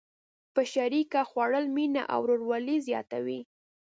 په شریکه خوړل مینه او ورورولي زیاتوي.